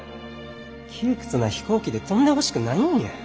窮屈な飛行機で飛んでほしくないんや。